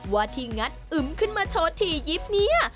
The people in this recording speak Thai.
ว่าที่งัดอึมขึ้นมาโชว์ถี่ยิบเนี่ย